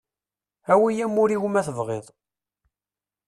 Awi amur-iw ma tebɣiḍ.